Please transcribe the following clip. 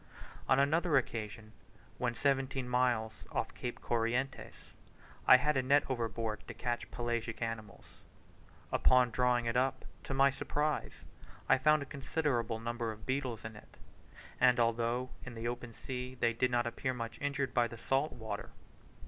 On another occasion, when seventeen miles off Cape Corrientes, I had a net overboard to catch pelagic animals. Upon drawing it up, to my surprise, I found a considerable number of beetles in it, and although in the open sea, they did not appear much injured by the salt water.